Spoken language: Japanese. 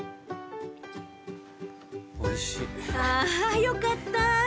あよかった。